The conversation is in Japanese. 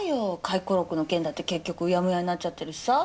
回顧録の件だって結局うやむやになっちゃってるしさ。